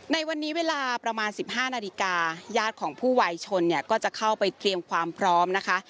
ในวันนี้เวลาประมาณ๑๕นาฬิกาญาติของผู้วายชนเนี่ยก็จะเข้าไปเตรียมความพร้อมนะคะ